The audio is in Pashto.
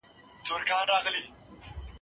زه به سبا زدکړه کوم!.